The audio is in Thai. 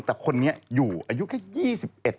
แต่คนนี้อยู่อายุแค่๒๑ปีเองมั้ง